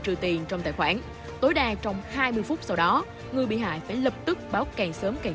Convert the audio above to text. trừ tiền trong tài khoản tối đa trong hai mươi phút sau đó người bị hại phải lập tức báo càng sớm càng